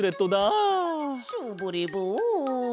ショボレボン！